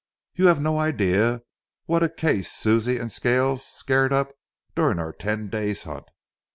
You have no idea what a case Susie and Scales scared up during our ten days' hunt.